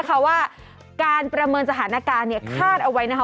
สวัสดีคุณชิสานะฮะสวัสดีคุณชิสานะฮะ